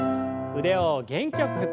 腕を元気よく振って。